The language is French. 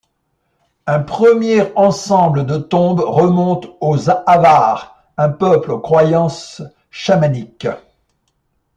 Un premier ensemble de tombes remonte aux Avars, un peuple aux croyances chamaniques.